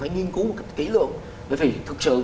nghiên cứu kỹ lượng bởi vì thực sự